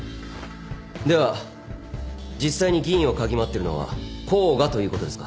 では実際に議員を嗅ぎ回ってるのは甲賀ということですか？